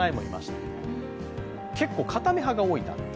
結構、かため派が多いなと。